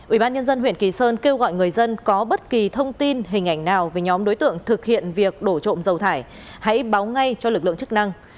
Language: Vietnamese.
ubnd huyện kỳ sơn kêu gọi người dân có bất kỳ thông tin hình ảnh nào về nhóm đối tượng thực hiện việc đổ trộm dầu thải hãy báo ngay cho lực lượng chức năng